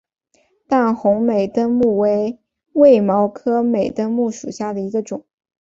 淡红美登木为卫矛科美登木属下的一个种。